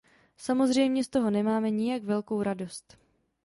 Samozřejmě z toho nemáme nijak velkou radost.